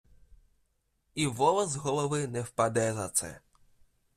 І волос з голови не впаде за це.